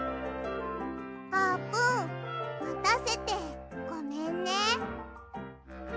あーぷんまたせてごめんね。